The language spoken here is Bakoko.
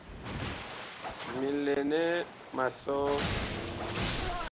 Mi lɛ nɛ ma sɔ ?